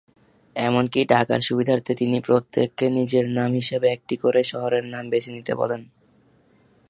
এমনকি ডাকার সুবিধার্থে তিনি প্রত্যেককে নিজের নাম হিসেবে একটি করে শহরের নাম বেছে নিতে বলেন।